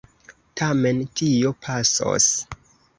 Tamen tio pasos.